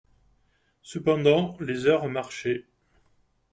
Cependant les heures marchaient.